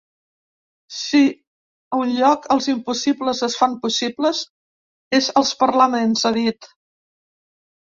Si a un lloc els impossibles es fan possibles, és als parlaments, ha dit.